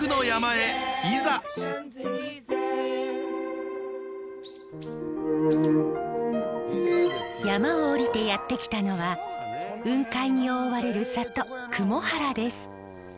山を下りてやって来たのは雲海に覆われる里雲原です。